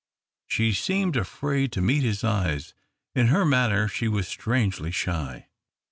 She seemed afraid to meet his eyes ; in her manner she was strangely shy.